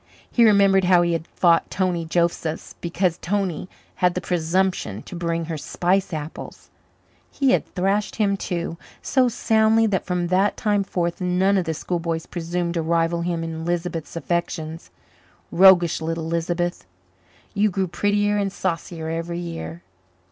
He remembered how he had fought Tony Josephs because Tony had the presumption to bring her spice apples: he had thrashed him too, so soundly that from that time forth none of the schoolboys presumed to rival him in Lisbeth's affections roguish little Lisbeth! who grew prettier and saucier every year.